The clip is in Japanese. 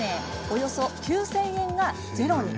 およそ９０００円がゼロに。